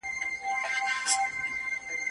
زه تر چا به چیغي یو سم زه تر کومه به رسېږم